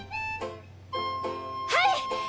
はい！